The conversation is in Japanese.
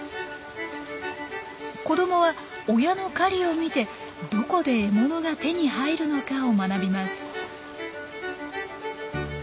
子どもは親の狩りを見てどこで獲物が手に入るのかを学びます。